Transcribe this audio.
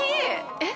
えっ？